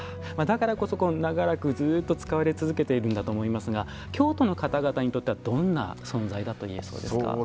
だからこそ長らくずっと使われ続けているんだと思いますが京都の方々にとってはどんな存在だと言えそうですか？